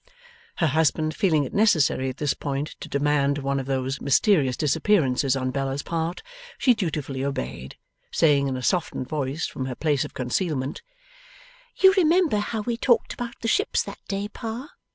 Her husband feeling it necessary at this point to demand one of those mysterious disappearances on Bella's part, she dutifully obeyed; saying in a softened voice from her place of concealment: 'You remember how we talked about the ships that day, Pa?